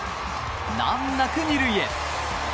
難なく２塁へ。